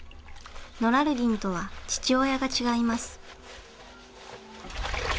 ノラルディンとは父親が違います。